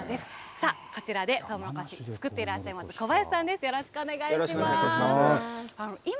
さあ、こちらでとうもろこし作っていらっしゃいます小林さんです、よろしくお願いします。